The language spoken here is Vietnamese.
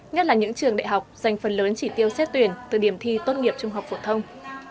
nhất là những trường đại học dành phần lớn chỉ tiêu xét tuyển từ điểm thi tốt nghiệp trung học phổ thông